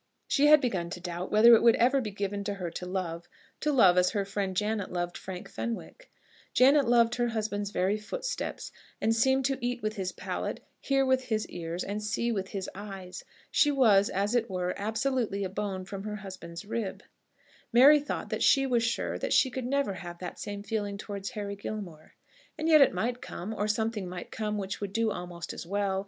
She had begun to doubt whether it would ever be given to her to love, to love as her friend Janet loved Frank Fenwick. Janet loved her husband's very footsteps, and seemed to eat with his palate, hear with his ears, and see with his eyes. She was, as it were, absolutely a bone from her husband's rib. Mary thought that she was sure that she could never have that same feeling towards Henry Gilmore. And yet it might come; or something might come which would do almost as well.